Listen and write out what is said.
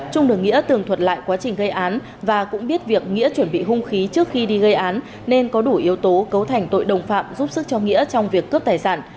trung được nghĩa tường thuật lại quá trình gây án và cũng biết việc nghĩa chuẩn bị hung khí trước khi đi gây án nên có đủ yếu tố cấu thành tội đồng phạm giúp sức cho nghĩa trong việc cướp tài sản